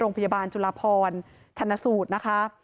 โรงพยาบาลจุฬาพรชันนสูตร